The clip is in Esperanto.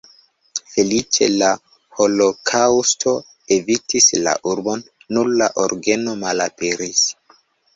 Feliĉe la holokaŭsto evitis la urbon, nur la orgeno malaperis.